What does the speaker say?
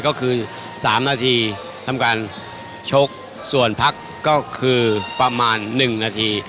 ก็คือ๓นาทีทำการชกส่วนพักก็คือประมาณ๑นาที